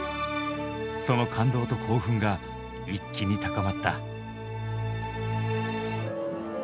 その感動と興奮が一気に高まった。